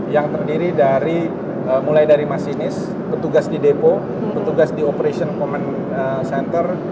yang terdiri dari mulai dari masinis petugas di depo petugas di operation common center